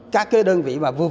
các cái đơn vị mà vừa vừa nhỏ nhỏ